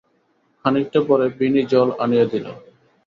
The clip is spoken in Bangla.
খানিকটা পরে বিনি জল আনিয়া দিল।